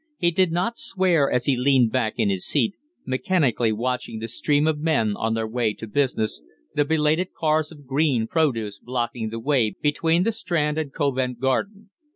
He did not swear as he leaned back in his seat, mechanically watching the stream of men on their way to business, the belated cars of green produce blocking the way between the Strand and Covent Garden.